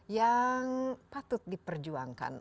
yang patut diperjuangkan